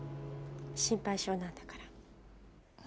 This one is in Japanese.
心配性なんだから。